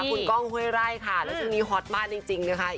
คุณก้องห้วยไร่ค่ะแล้วช่วงนี้ฮอตมากจริงนะคะ